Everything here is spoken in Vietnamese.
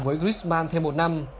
với griezmann thêm một năm